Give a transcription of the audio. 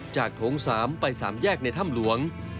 จากโถงสามไปสามแยกในถ้ำหลวง